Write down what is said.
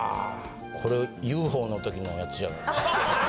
これ『ＵＦＯ』の時のやつじゃないですか。